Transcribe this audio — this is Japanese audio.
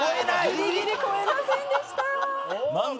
「ギリギリ超えませんでした」